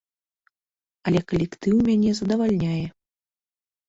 Але калектыў мяне задавальняе.